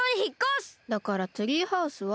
だからツリーハウスは？